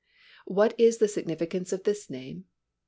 What is the significance of this name?